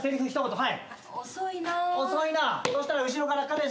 はい。